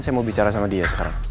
saya mau bicara sama dia sekarang